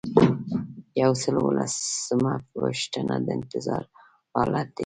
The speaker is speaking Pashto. یو سل او لسمه پوښتنه د انتظار حالت دی.